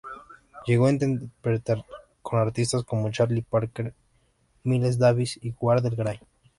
Llegó a interpretar con artistas como Charlie Parker, Miles Davis y Wardell Gray.